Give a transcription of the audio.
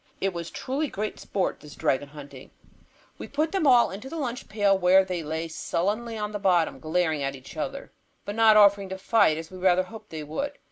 It was truly great sport, this dragon hunting. We put them all into the lunch pail where they lay sullenly on the bottom, glaring at each other, but not offering to fight, as we rather hoped they would.